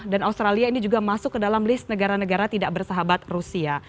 dan australia ini juga masuk ke dalam list negara negara tidak bersahabat rusia